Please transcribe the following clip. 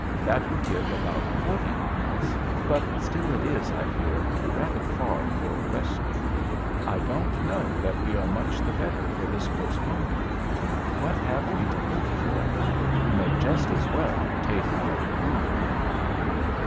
That would give about forty miles, but still it is, I fear, rather far for a rescue. I don't know that we are much the better for this postponement. What have we to hope for? We may just as well take our gruel."